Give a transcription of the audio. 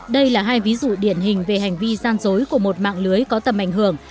đây là hai ví dụ điển hình về hành vi gian dối của một mạng lưới có tầm ảnh hưởng